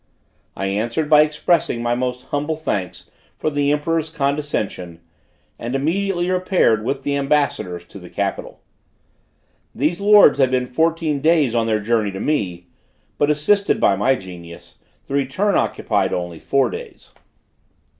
I answered by expressing my most humble thanks for the emperor's condescension, and immediately repaired, with the ambassadors, to the capital. These lords had been fourteen days on their journey to me, but assisted by my genius, the return occupied only four days.